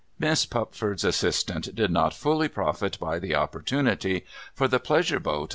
Miss Pupford's assistant did not fully profit by the opportunity ; for the pleasure boat.